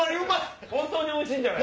本当においしいんじゃない？